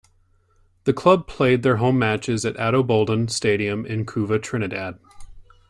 The club played their home matches in Ato Boldon Stadium, in Couva, Trinidad.